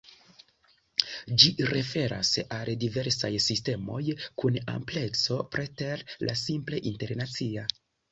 Ĝi referas al diversaj sistemoj kun amplekso preter la simple internacia.